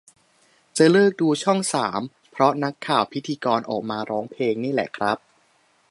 จะเลิกดูช่องสามเพราะนักข่าวพิธีกรออกมาร้องเพลงนี่แหละครับ